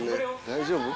大丈夫？